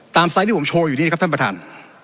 ไซส์ที่ผมโชว์อยู่นี่ครับท่านประธาน